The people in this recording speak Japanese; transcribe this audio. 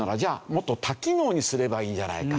もっと多機能にすればいいじゃないか。